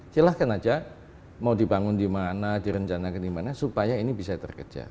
silahkan aja mau dibangun dimana direncanakan dimana supaya ini bisa terkejar